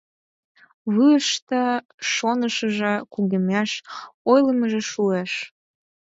Вуйышто шонышыжо кугемеш, ойлымыжо шуэш.